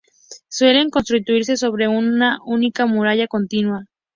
Suelen construirse sobre una única muralla continua.